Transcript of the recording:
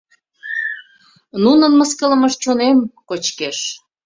Нунын мыскылымышт чонем кочкеш.